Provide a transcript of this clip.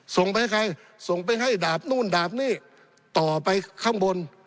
ส่งไปให้ใครส่งไปให้ดาบนู่นดาบนี่ต่อไปข้างบน